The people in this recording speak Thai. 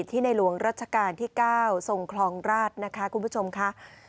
ที่ในลวงราชการที่๙ทรงคลองราชคุณผู้ชมคะ